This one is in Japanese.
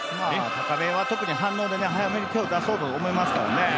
高めは特に反応、みんな早めに手を出そうとしますからね。